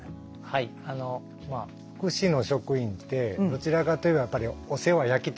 はいあの福祉の職員ってどちらかといえばやっぱりお世話焼きたい。